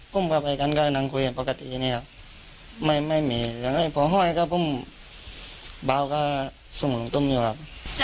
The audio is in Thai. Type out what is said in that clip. ต้องข้มมีปัญหาอยู่นำนำนี้มันเณียวพอลำเอิ้งไม่มีปัญหากันแมนเลยครับ